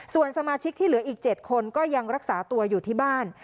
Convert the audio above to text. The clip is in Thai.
ส่วนสมาชิกที่เหลืออีก๗คนก็ยังรักษาตัวอยู่ที่บ้าน